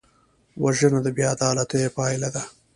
وژنه د بېعدالتیو پایله ده